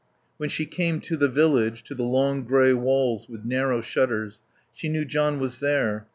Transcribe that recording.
When she came to the village, to the long grey walls with narrow shutters, she knew John was there.